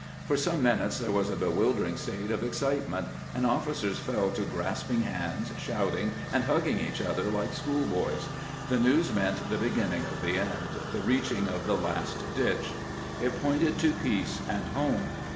For some minutes there was a bewildering state of ex citement, and oflBcers fell to grasping hands, shouting, and hugging each other like school boys. The news meant the beginning of the end, the reaching of the "last ditch." It pointed to peace and home.